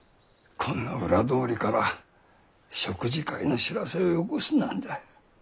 こんな裏通りから食事会の知らせをよこすなんざ。